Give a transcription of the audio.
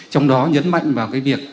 trong đó nhấn mạnh vào cái việc